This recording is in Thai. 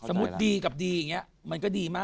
สมมติมันก็ดีมาก